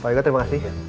pak ego terima kasih